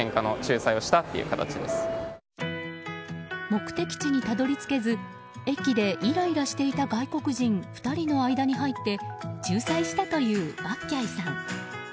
目的地にたどり着けず駅でイライラしていた外国人２人の間に入って仲裁したという、わっきゃいさん。